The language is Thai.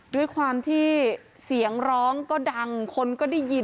ด้วยความที่เสียงร้องก็ดังคนก็ได้ยิน